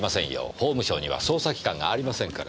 法務省には捜査機関がありませんから。